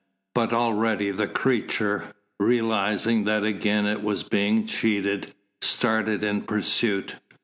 But already the creature, realising that again it was being cheated, started in pursuit.